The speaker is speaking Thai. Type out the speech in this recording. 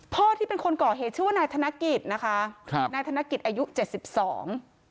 ที่เป็นคนก่อเหตุชื่อว่านายธนกิจนะคะครับนายธนกิจอายุเจ็ดสิบสอง